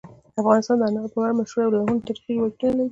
افغانستان د انارو په اړه مشهور او لرغوني تاریخی روایتونه لري.